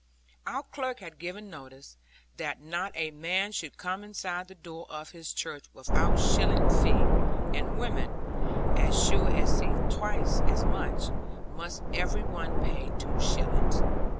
Our clerk had given notice, that not a man should come inside the door of his church without shilling fee; and women (as sure to see twice as much) must every one pay two shillings.